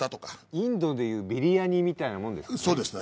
インドでいうビリヤニみたいなもんですかね？